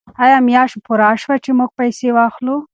آیا میاشت پوره شوه چې موږ پیسې واخلو؟